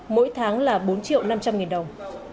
mỗi tháng là bốn triệu năm trăm linh nghìn đồng